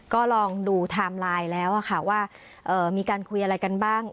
ก็ลองดูไทม์ไลน์แล้วค่ะว่ามีการคุยอะไรกันบ้าง